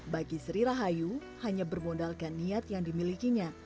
bagi sri rahayu hanya bermodalkan niat yang dimilikinya